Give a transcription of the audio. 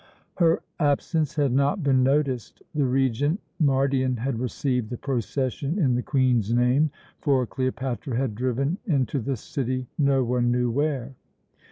Her absence had not been noticed. The Regent Mardion had received the procession in the Queen's name, for Cleopatra had driven into the city, no one knew where.